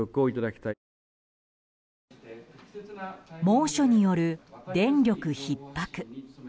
猛暑による電力ひっ迫。